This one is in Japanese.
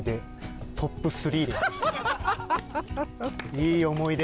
いい思い出！